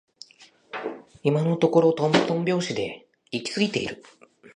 今のところとんとん拍子で行き過ぎている